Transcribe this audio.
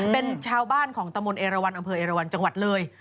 เป็นชาวบ้านของตะมนตเอราวันอำเภอเอราวันจังหวัดเลย